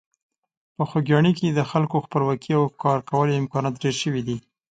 په خوږیاڼي کې د خلکو خپلواکي او کارکولو امکانات ډېر شوي دي.